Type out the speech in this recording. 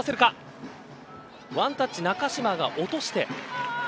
ワンタッチ、中嶋が落として。